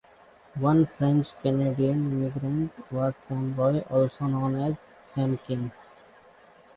One French Canadian immigrant was Sam Roy, also known as Sam King.